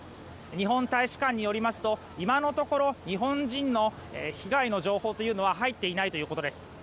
日本大使館によりますと今のところ日本人の被害の情報は入っていないということです。